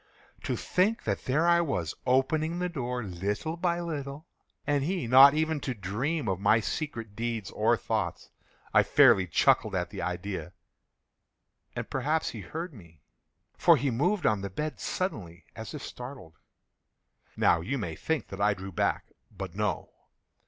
To think that there I was, opening the door, little by little, and he not even to dream of my secret deeds or thoughts. I fairly chuckled at the idea; and perhaps he heard me; for he moved on the bed suddenly, as if startled. Now you may think that I drew back—but no.